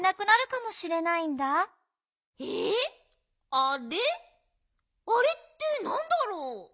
「あれ」ってなんだろう？